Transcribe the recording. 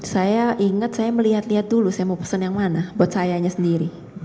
saya ingat saya melihat lihat dulu saya mau pesan yang mana buat sayanya sendiri